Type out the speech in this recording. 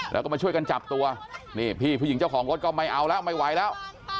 แล้วก็มาช่วยกันจับตัวนี่พี่ผู้หญิงเจ้าของรถก็ไม่เอาแล้วไม่ไหวแล้ว